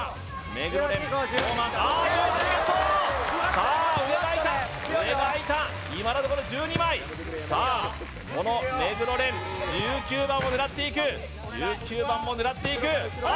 目黒蓮あ１８ゲットさあ上が開いた上が開いた今のところ１２枚さあこの目黒蓮１９番を狙っていく１９番を狙っていくあ